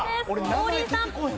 王林さん。